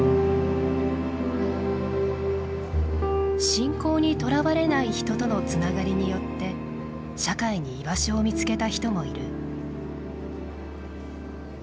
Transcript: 信仰にとらわれない人とのつながりによって社会に居場所を見つけた人もいる。